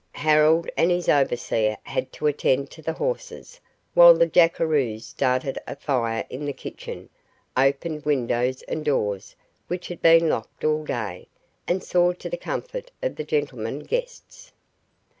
Harold and his overseer had to attend to the horses, while the jackeroos started a fire in the kitchen, opened windows and doors which had been locked all day, and saw to the comfort of the gentlemen guests.